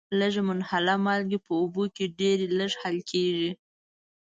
لږي منحله مالګې په اوبو کې ډیر لږ حل کیږي.